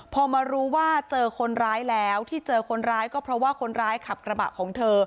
พอมารู้ว่าเจอคนร้ายแล้วที่เจอคนร้ายก็เพราะว่าคนร้ายขับกระบะของเธอ